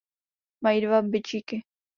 Mají dva bičíky.